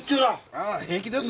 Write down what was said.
ああ平気です。